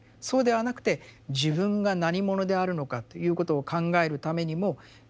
そうではなくて自分が何者であるのかということを考えるためにもｂｅｉｎｇ。